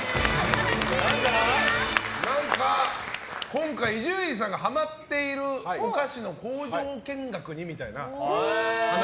今回、伊集院さんがハマっているお菓子の工場見学にみたいな話。